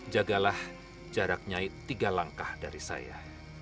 jagalah jarak nyai tiga langkah dari saya